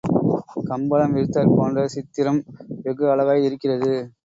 கம்பளம் விரித்தாற் போன்ற சித்திரம் வெகு அழகாய் இருக்கிறது.